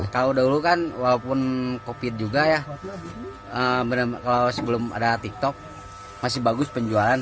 kalau dulu kan walaupun covid juga ya kalau sebelum ada tiktok masih bagus penjualan